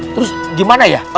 terus gimana ya